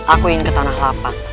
aku ingin ke tanah lapak